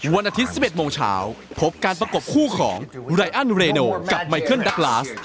วันอาทิตย์๑๑โมงเช้าพบการประกบคู่ของไรอันเรโนกับไมเคิลดักลาส